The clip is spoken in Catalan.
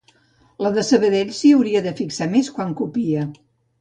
La de Sabadell s'hi hauria de fixar més, quan copia